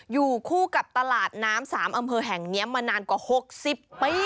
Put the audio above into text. อยู่คู่กับตลาดน้ำ๓อำเภอแห่งนี้มานานกว่า๖๐ปี